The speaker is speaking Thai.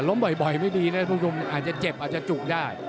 ล้มบ่อยไม่ดีนะครับพวกมันอาจจะเจ็บอาจจะจุกได้